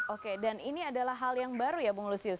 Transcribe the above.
oke dan ini adalah hal yang baru ya bung lusius